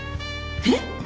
えっ！？